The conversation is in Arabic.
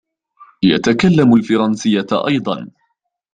يتكلم الفرنسية أيضاً.